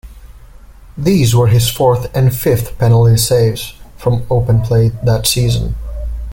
These were his fourth and fifth penalty saves from open play that season.